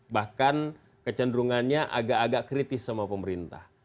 bahkan kecenderungannya agak agak kritis sama pemerintah